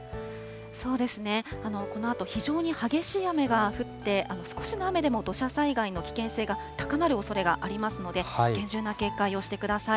そうですね、このあと非常に激しい雨が降って、少しの雨でも土砂災害の危険性が高まるおそれがありますので、厳重な警戒をしてください。